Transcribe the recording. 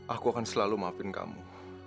aku akan selalu maafin kamu